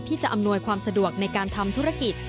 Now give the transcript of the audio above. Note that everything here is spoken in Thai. จะอำนวยความสะดวกในการทำธุรกิจ